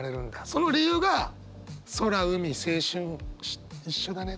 その理由が空海青春一緒だねって。